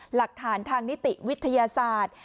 หลักฐานทางนิติวิทยาศาสตร์